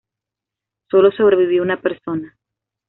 Solo sobrevivió una persona.